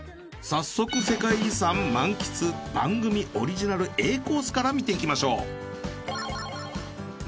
早速世界遺産満喫番組オリジナルＡコースから見ていきましょう。